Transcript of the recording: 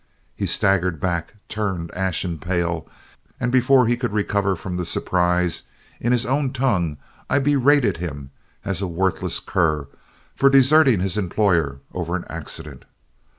He staggered back, turned ashen pale, and before he could recover from the surprise, in his own tongue I berated him as a worthless cur for deserting his employer over an accident.